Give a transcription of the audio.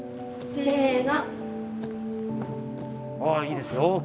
せの。